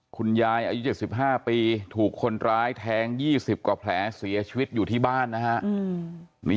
คุณยายอายุ๗๕ปีถูกคนร้ายแทง๒๐กว่าแผลเสียชีวิตอยู่ที่บ้านนะฮะ